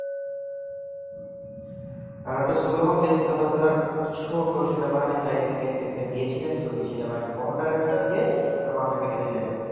রাজা সলোমন ব্যক্তিগতভাবে তাঁর ছোট সেনাবাহিনীর দায়িত্বে নেতৃত্ব দিয়েছিলেন, তুর্কি সেনাবাহিনীর কমান্ডারের কাছে গিয়ে তাঁর মাথা কেটে দিলেন।